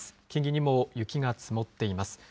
木々にも雪が積もっています。